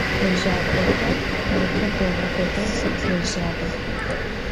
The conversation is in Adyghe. Lejak'oxer nêpe değu dedeu lejağex.